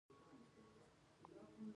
جانداد د علني صداقت نمونه ده.